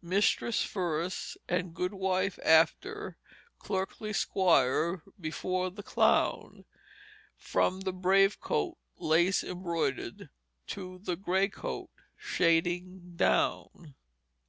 Mistress first and good wife after, clerkly squire before the clown, From the brave coat lace embroidered to the gray coat shading down."